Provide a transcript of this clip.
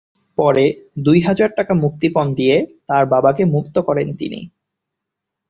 পরে দুই হাজার টাকা মুক্তিপণ দিয়ে তাঁর বাবাকে মুক্ত করেন তিনি।